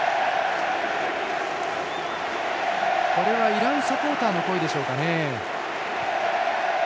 イランサポーターの声でしょうか。